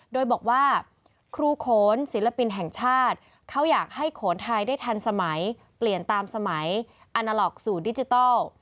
โดยบอกว่าครูโขนศิลปินแห่งชาติเขาอยากให้โขนไทยได้ทันสมัยเปลี่ยนตามสมัยอาณาล็อกสูตรดิจิทัล